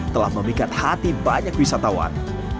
telah memikat hati banyak wisatawan